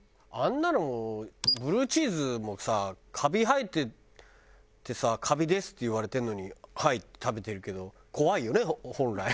あんなのブルーチーズもさカビ生えててさ「カビです」っていわれてるのに「はい」って食べてるけど。